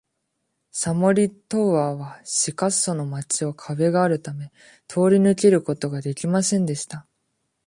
サモリ・トウア―はシカッソの町を壁があるため、通り抜けることが出来ませんでした。